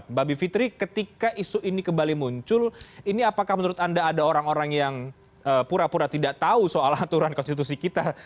mbak bivitri ketika isu ini kembali muncul ini apakah menurut anda ada orang orang yang pura pura tidak tahu soal aturan konstitusi kita